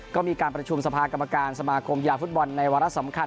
ก็มีการประชุมสภากรรมการสมาคมกีฬาฟุตบอลในวาระสำคัญ